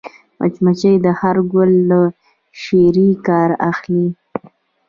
مچمچۍ د هر ګل له شيرې کار اخلي